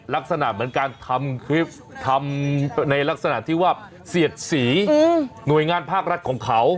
ลักษณะเหมือนการทำคลิปทำในลักษณะที่ว่าเสียดสีหน่วยงานภาครัฐของเขา